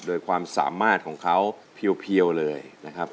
โดยความสามารถของเขาเพียวเลยนะครับ